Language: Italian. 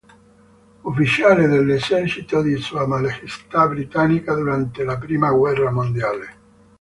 Ufficiale dell'esercito di sua maestà britannica durante la prima guerra mondiale.